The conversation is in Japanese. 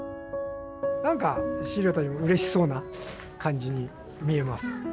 なんか資料たちもうれしそうな感じに見えます。